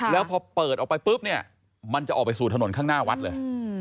แล้วพอเปิดออกไปปุ๊บเนี่ยมันจะออกไปสู่ถนนข้างหน้าวัดเลย